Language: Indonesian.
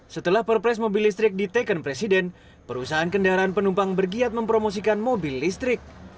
setelah perpres mobil listrik diteken presiden perusahaan kendaraan penumpang bergiat mempromosikan mobil listrik